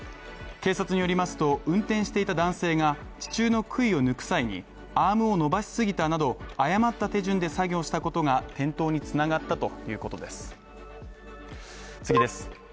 警察によりますと、運転していた男性が地中の杭を抜く際にアームを伸ばしすぎたなど誤った手順で作業したことが転倒につながったということです。